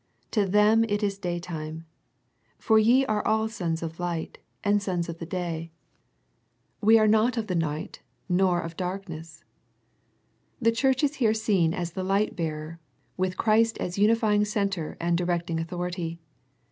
To them it is day time. " For ye are all sons of light, and sons of the day : we are The Vision and the Voice 1 7 not of the night, fiof of darkness." The Church is here seen as the Hght bearer, with Christ as unifying Centre and directing Authority.